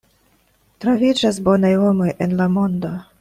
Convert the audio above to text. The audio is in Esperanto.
Troviĝas bonaj homoj en la mondo.